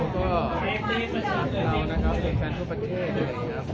ก็เรามีแฟนทั่วประเทศ